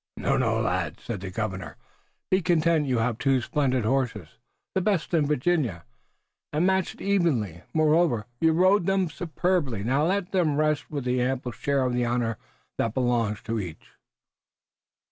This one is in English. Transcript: "No! No, lads!" said the Governor. "Be content! You have two splendid horses, the best in Virginia, and matched evenly. Moreover, you rode them superbly. Now, let them rest with the ample share of honor that belongs to each."